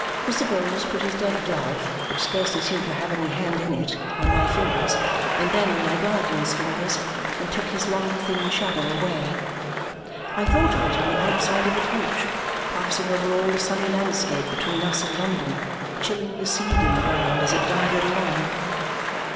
Mr. Vholes put his dead glove, which scarcely seemed to have any hand in it, on my fingers, and then on my guardian's fingers, and took his long thin shadow away. I thought of it on the outside of the coach, passing over all the sunny landscape between us and London, chilling the seed in the ground as it glided along.